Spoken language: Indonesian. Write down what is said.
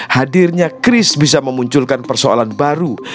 hadirnya kris bisa memunculkan persoalan baru